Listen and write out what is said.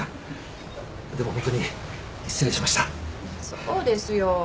そうですよ。